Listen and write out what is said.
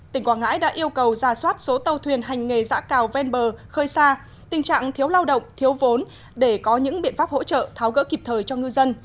tỉnh quảng ngãi đã yêu cầu ra soát số tàu thuyền hành nghề giã cào ven bờ khơi xa tình trạng thiếu lao động thiếu vốn để có những biện pháp hỗ trợ tháo gỡ kịp thời cho ngư dân